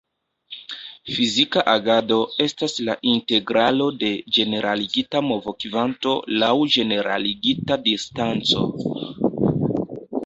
Fizika agado estas la integralo de ĝeneraligita movokvanto laŭ ĝeneraligita distanco.